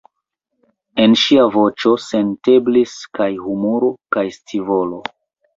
En ŝia voĉo senteblis kaj humuro, kaj scivolo.